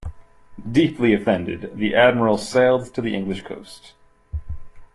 Deeply offended, the Admiral sailed to the English coast.